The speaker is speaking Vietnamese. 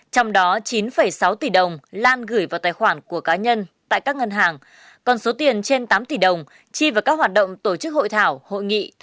trong đó chín sáu tỷ đồng lan gửi vào tài khoản của cá nhân tại các ngân hàng còn số tiền trên tám tỷ đồng chi vào các hoạt động tổ chức hội thảo hội nghị